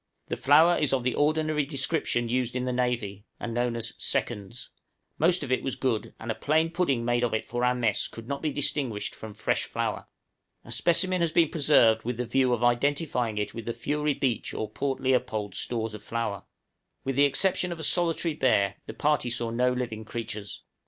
The flour is of the ordinary description used in the navy, and known as "seconds;" most of it was good, and a plain pudding made of it for our mess could not be distinguished from fresh flour. A specimen has been preserved with the view of identifying it with the Fury Beach or Port Leopold stores of flour. With the exception of a solitary bear, the party saw no living creatures.